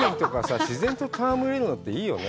自然と戯れるのっていいよね。